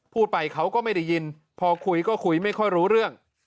พูดไปเขาก็ไม่ได้ยินพอคุยก็คุยไม่ค่อยรู้เรื่อง